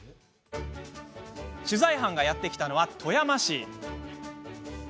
取材班がやって来たのは富山市。